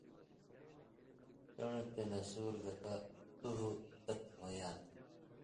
کن٘ڑہۡ تے نسور گتہ تُوہہۡ تت ہو ہاں تھہ۔